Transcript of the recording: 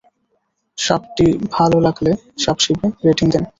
সাবটি ভালো লাগলে সাবসিবে রেটিং দিবেন।